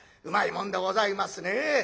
うまいもんでございますねえ。